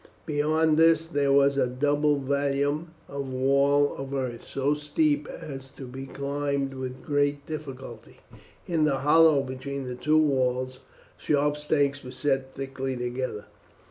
Beyond this there was a double vallum or wall of earth so steep as to be climbed with great difficulty. In the hollow between the two walls sharp stakes were set thickly together.